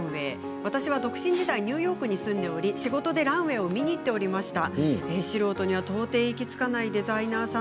ニューヨーク、ランウェー私は独身時代ニューヨークに住んでおり仕事でランウエーを見に行っておりました。